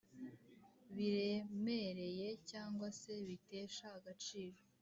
Biremereye cyangwa se bitesha agaciro